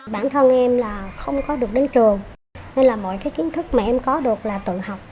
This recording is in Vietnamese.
bản thân em là không có được đến trường nên là mọi cái kiến thức mà em có được là tự học